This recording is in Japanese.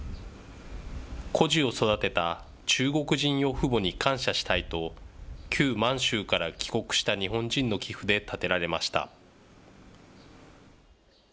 孤児を育てた中国人養父母に感謝したいと、旧満州から帰国した日本人の寄付で建てられました。